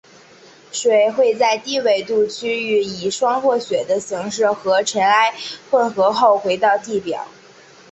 水会在低纬度区域以霜或雪的形式和尘埃混合后回到地表。